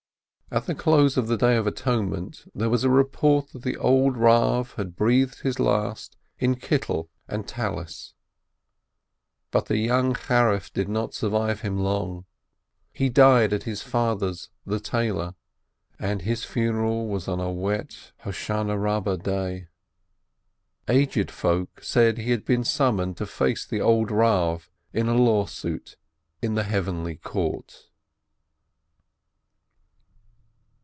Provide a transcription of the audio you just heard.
At the close of the Day of Atonement there was a report that the old Eav had breathed his last in robe and prayer scarf. The young Charif did not survive him long. He died at his father's the tailor, and his funeral was on a wet Great Hosannah day. Aged folk said he had been summoned to face the old Eav in a lawsuit in the Heavenly Court.